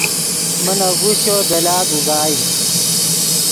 من اگوشچو دے لاد اوزائی